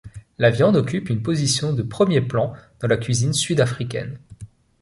La viande occupe une position de premier plan dans la cuisine sud-africaine.